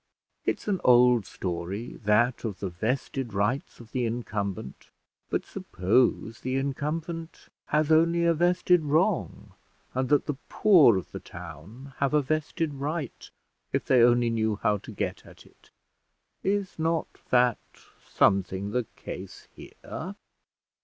It's an old story, that of the vested rights of the incumbent; but suppose the incumbent has only a vested wrong, and that the poor of the town have a vested right, if they only knew how to get at it: is not that something the case here?"